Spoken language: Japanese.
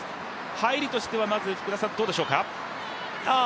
入りとしてはまずどうでしょうか？